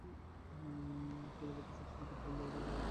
সেখানে বৈদ্যশাস্ত্র পীঠ নামে একটি আয়ুর্বেদিক চিকিৎসাশাস্ত্রের শাখা ছিল।